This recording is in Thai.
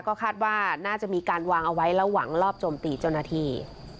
ก็คาดว่าน่าจะมีการวางเอาไว้ระหว่างรอบโจมตีเจ้าหน้าที่